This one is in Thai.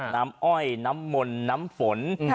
น้ำอ้อยน้ำหม่นน้ำฝน